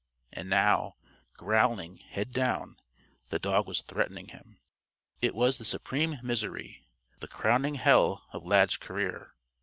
And now, growling, head down, the dog was threatening him. It was the supreme misery, the crowning hell, of Lad's career.